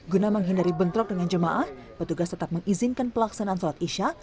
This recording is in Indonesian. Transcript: guna menghindari bentrok dengan jemaah petugas tetap mengizinkan pelaksanaan sholat isya